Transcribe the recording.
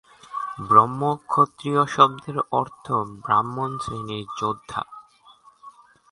ব্রহ্মক্ষত্রিয় শব্দের অর্থ ব্রাহ্মণ শ্রেণীর যোদ্ধা।